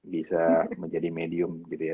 bisa menjadi medium gitu ya